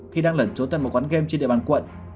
khi đang lẩn trốn tại một quán game trên địa bàn quận